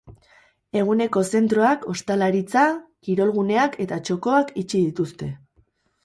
Eguneko zentroak, hostalaritza, kirolguneak eta txokoak itxi dituzte.